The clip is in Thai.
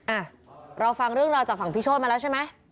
อ่ะเราฟังเรื่องราวจากฝั่งพี่โชธมาแล้วใช่ไหม